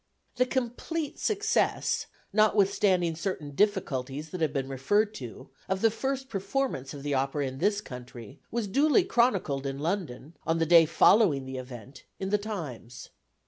The complete success, notwithstanding certain difficulties that have been referred to, of the first performance of the opera in this country, was duly chronicled in London, on the day following the event, in The Times.